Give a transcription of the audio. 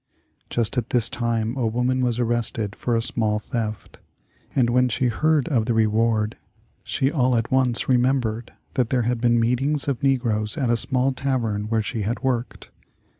Just at this time a woman was arrested for a small theft, and when she heard of the reward, she all at once remembered that there had been meetings of negroes at a small tavern where she had worked.